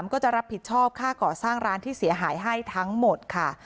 ก็จะรับผิดชอบค่าก่อสร้างร้านที่เสียหายให้ทั้งหมดค่ะ